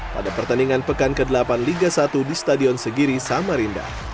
pada pertandingan pekan ke delapan liga satu di stadion segiri samarinda